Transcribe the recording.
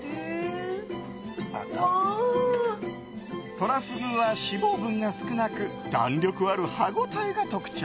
トラフグは脂肪分が少なく弾力ある歯応えが特徴。